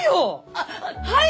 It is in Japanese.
あっはい！